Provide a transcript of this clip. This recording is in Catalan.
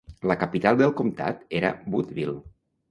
La capital del comtat era Woodville.